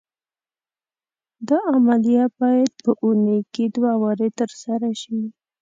دا عملیه باید په اونۍ کې دوه وارې تر سره شي.